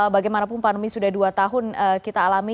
bagaimanapun pandemi sudah dua tahun kita alami